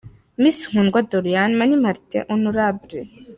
Miss Kundwa Doriane, Mani Martin, Hon.